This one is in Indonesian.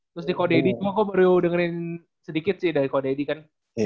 terus di ko daddy juga kok baru dengerin sedikit sih dari ko daddy kan